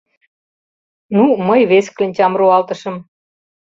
—...Ну, мый вес кленчам руалтышым.